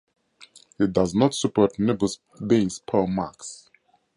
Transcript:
It does not support NuBus-based PowerMacs.